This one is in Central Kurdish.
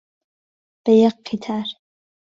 بە یەک قیتار،